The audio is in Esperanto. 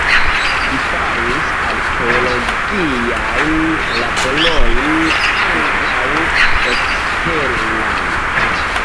Li faris arkeologiajn laborojn ankaŭ eksterlande.